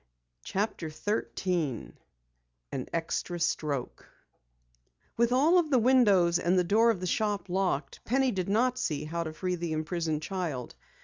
CHAPTER 13 AN EXTRA STROKE With all the windows and the door of the shop locked, Penny did not know how to free the imprisoned child.